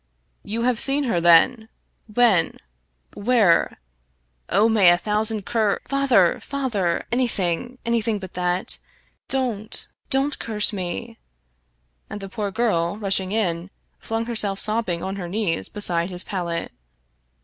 " You have seen her, then ? When ? Where ? Oh, may a thousand cur '*" Father ! father I Anything — anything but that. Don't, don't curse me I " And the poor girl, rushing in, flung her self sobbing on her knees beside his pallet.